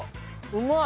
うまい！